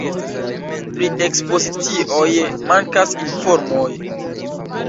Pri ekspozicioj mankas informoj.